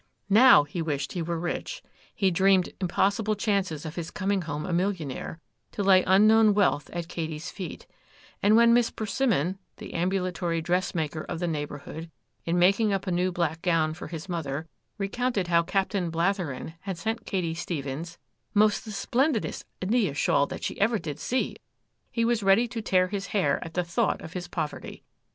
Now he wished he were rich; he dreamed impossible chances of his coming home a millionnaire to lay unknown wealth at Katy's feet; and when Miss Persimmon, the ambulatory dressmaker of the neighbourhood, in making up a new black gown for his mother, recounted how Captain Blatherem had sent Katy Stephens ''most the splendidest India shawl that ever she did see,' he was ready to tear his hair at the thought of his poverty.